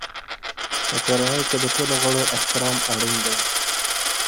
په کورنۍ کې د ټولو غړو احترام اړین دی.